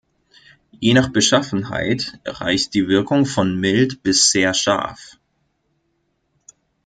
Je nach Beschaffenheit reicht die Wirkung von mild bis sehr scharf.